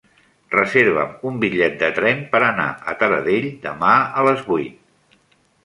Reserva'm un bitllet de tren per anar a Taradell demà a les vuit.